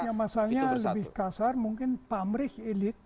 yang masalahnya lebih kasar mungkin pamrik elit